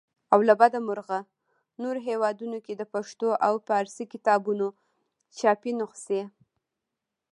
او له بده مرغه نورو هیوادونو کې د پښتو او فارسي کتابونو چاپي نخسې.